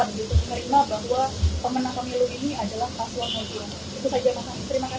begitu menerima bahwa pemenang pemilu ini adalah paswan satu